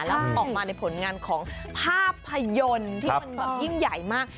แล้วออกมาในผลงานของภาพยนตร์ที่มันแบบยิ่งใหญ่มาก